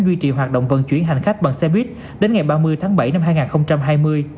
duy trì hoạt động vận chuyển hành khách bằng xe buýt đến ngày ba mươi tháng bảy năm hai nghìn hai mươi